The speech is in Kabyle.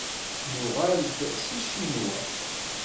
Nuɣal-d seg Ccinwa.